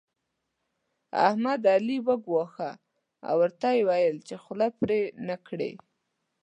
احمد؛ علي وګواښه او ورته ويې ويل چې خوله پرې نه کړې.